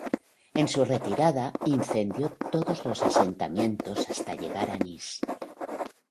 En su retirada, incendió todos los asentamientos hasta llegar a Niš.